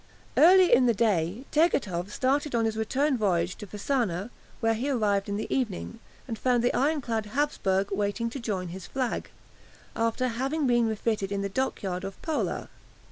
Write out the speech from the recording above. Early in the day Tegethoff started on his return voyage to Fasana, where he arrived in the evening, and found the ironclad "Hapsburg" waiting to join his flag, after having been refitted in the dockyard of Pola.